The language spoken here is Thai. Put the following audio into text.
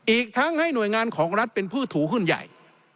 อีกทั้งให้หน่วยงานของรัฐเป็นผู้ถูหุ้นใหญ่